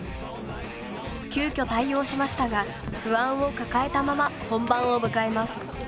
急きょ対応しましたが不安を抱えたまま本番を迎えます。